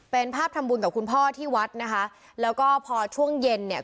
เป็นภาพทำบุญกับคุณพ่อที่วัดนะคะแล้วก็พอช่วงเย็นเนี่ย